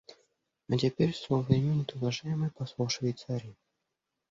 А теперь слово имеет уважаемый посол Швейцарии.